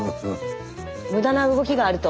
無駄な動きがあると。